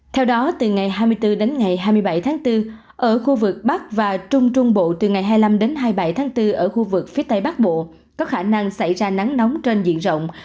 theo đó từ ngày hai mươi bốn đến ngày hai mươi bảy tháng bốn ở khu vực bắc và trung trung bộ từ ngày hai mươi năm đến hai mươi bảy tháng bốn ở khu vực phía tây bắc bộ có khả năng xảy ra nắng nóng trên diện rộng